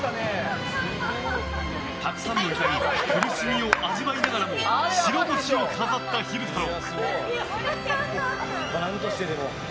たくさんの痛み苦しみを味わいながらも白星を飾った昼太郎。